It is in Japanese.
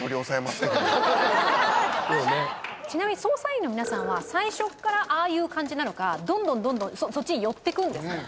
ちなみに捜査員の皆さんは最初っからああいう感じなのかどんどんどんどんそっちに寄っていくんですか？